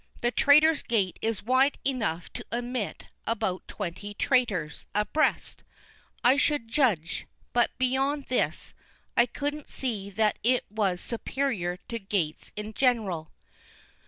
The Trater's Gate is wide enuff to admit about twenty traters abrest, I should jedge; but beyond this, I couldn't see that it was superior to gates in gen'ral.